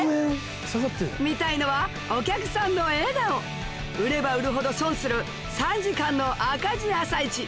見たいのはお客さんの笑顔売れば売るほど損する３時間の赤字朝市